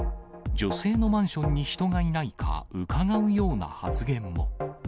女性のマンションに人がいないかうかがうような発言も。